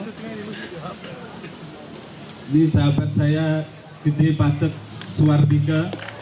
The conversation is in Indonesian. ini sahabat saya titi pasek suwardika